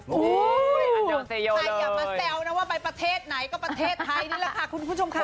โอ้โหใครอย่ามาแซวนะว่าไปประเทศไหนก็ประเทศไทยนี่แหละค่ะคุณผู้ชมค่ะ